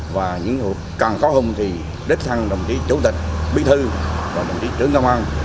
và những hộ càng khó không thì đếch thăng đồng chí chủ tịch bí thư và đồng chí trưởng công an